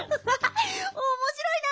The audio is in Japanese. おもしろいな！